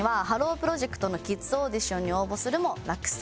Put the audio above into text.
プロジェクトのキッズオーディションに応募するも落選。